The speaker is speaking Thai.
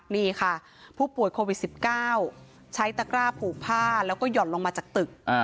นี่ค่ะผู้ป่วยโควิด๑๙ใช้ตะกร้าผูกผ้าแล้วก็ห่อนลงมาจากตึก